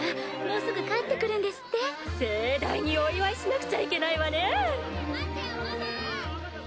もうすぐ帰って来るんですって・・盛大にお祝いしなくちゃいけないわね！